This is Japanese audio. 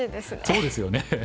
そうですよね。